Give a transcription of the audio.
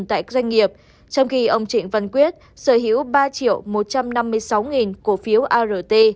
tại doanh nghiệp trong khi ông trịnh văn quyết sở hữu ba một trăm năm mươi sáu cổ phiếu art